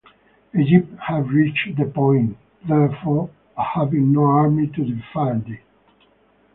Egypt has reached the point, therefore, of having no army to defend it.